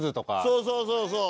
そうそうそうそう。